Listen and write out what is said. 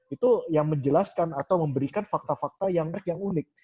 itu yang menjelaskan atau memberikan fakta fakta yang unik